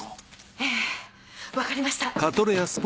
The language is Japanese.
えぇわかりました。